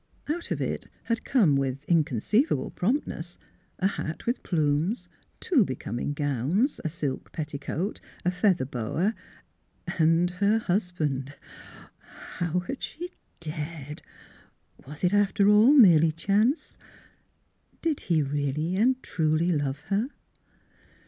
Out of it had come, with inconceivable prompt ness, a hat with plumes, two becoming gowns, a silk petticoat, a feather boa, and — her husband! How had she dared? Was it, after all, merely chance? Did he really and truly love her?